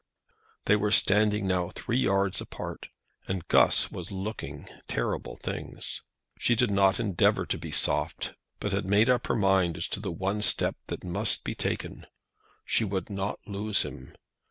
They were standing now three yards apart, and Guss was looking terrible things. She did not endeavour to be soft, but had made up her mind as to the one step that must be taken. She would not lose him.